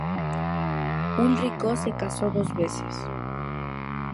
Ulrico se casó dos veces.